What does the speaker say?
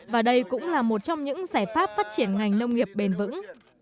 và đây cũng là một trong những giải pháp phát triển ngành nông nghiệp bền vững